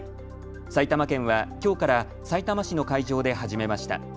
埼玉県はきょうからさいたま市の会場で始めました。